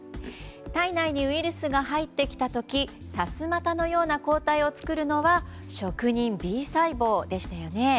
体内にウイルスが入ってきた時さすまたのような抗体を作るのは職人Ｂ細胞でしたよね。